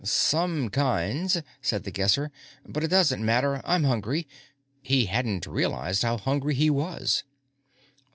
"Some kinds," said The Guesser. "But it doesn't matter. I'm hungry." He hadn't realized how hungry he was.